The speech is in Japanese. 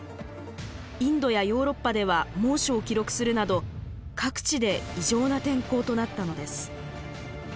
インドやヨーロッパでは猛暑を記録するなど各地で異常な天候となったのです。